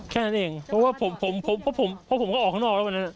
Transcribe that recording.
แค่นั้นเองเพราะว่าผมก็ออกข้างนอกแล้ววันนั้น